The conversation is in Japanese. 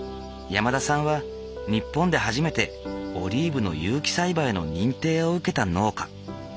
山田さんは日本で初めてオリーブの有機栽培の認定を受けた農家。